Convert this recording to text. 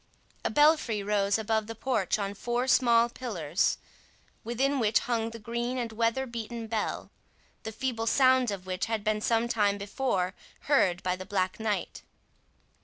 A belfry rose above the porch on four small pillars, within which hung the green and weatherbeaten bell, the feeble sounds of which had been some time before heard by the Black Knight.